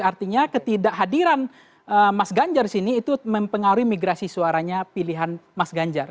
artinya ketidakhadiran mas ganjar sini itu mempengaruhi migrasi suaranya pilihan mas ganjar